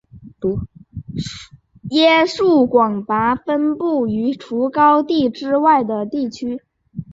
椰树广泛分布于除高地之外的地区。